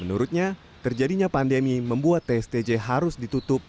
menurutnya terjadinya pandemi membuat tstj harus ditutup